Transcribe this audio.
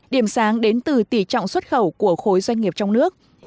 điểm sáng đến từ tỷ trọng xuất khẩu của khối doanh nghiệp trong nước